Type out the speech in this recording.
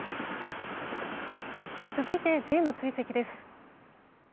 続いて、Ｊの追跡です。